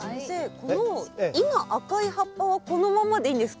この今赤い葉っぱはこのままでいいんですか？